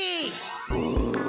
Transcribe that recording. うん。